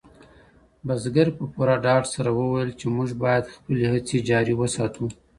بزګر په پوره ډاډ سره وویل چې موږ باید خپلې هڅې جاري وساتو.